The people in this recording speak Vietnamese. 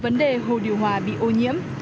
vấn đề hồ điều hòa bị ô nhiễm